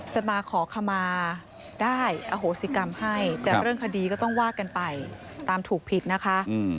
จะมาขอขมาได้อโหสิกรรมให้แต่เรื่องคดีก็ต้องว่ากันไปตามถูกผิดนะคะ